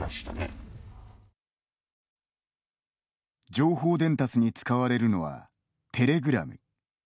情報伝達に使われるのはテレグラム。